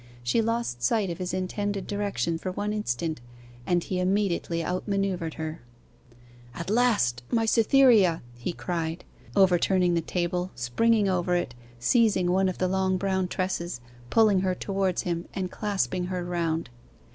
She lost sight of his intended direction for one instant, and he immediately outmanoeuvred her. 'At last! my Cytherea!' he cried, overturning the table, springing over it, seizing one of the long brown tresses, pulling her towards him, and clasping her round.